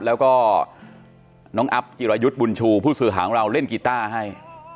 แล้วก็น้องอัพจิรายุทธ์บุญชูผู้สื่อหาของเราเล่นกีต้าให้